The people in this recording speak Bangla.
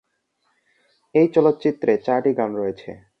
এই চলচ্চিত্রে চারটি গান রয়েছে।